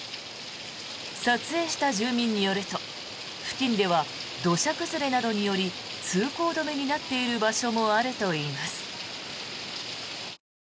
撮影した住民によると付近は土砂崩れなどにより通行止めになっている場所もあるといいます。